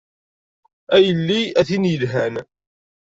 A yelli a tin yelhan.